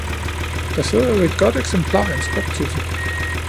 Der sidder jo et godt eksemplar af en skrubtudse